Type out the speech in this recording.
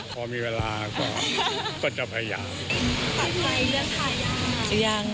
พอมีเวลาก็จะพยายาม